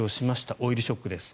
オイルショックです。